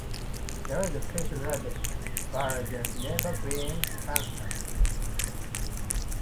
There is a fish ladder, but it has never been functional.